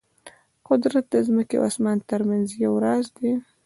قدرت د ځمکې او اسمان ترمنځ یو راز دی.